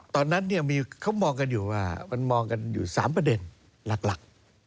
ตอนนั้นเขามองกันอยู่๓ประเด็นหลัก